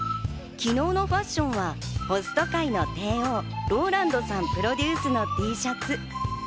昨日のファッションはホスト界の帝王ローランドさんプロデュースのＴシャツ。